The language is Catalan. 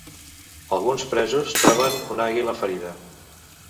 Alguns presos troben una àguila ferida.